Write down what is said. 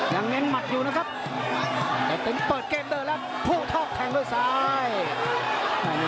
ยังยังหมัดอยู่นะครับเต็มเปิดเกมด้วยแล้วพูดทอบแทงด้วยซ้าย